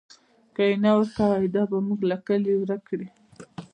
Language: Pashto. که یې نه ورکوئ، دا به موږ له کلي ورک کړي.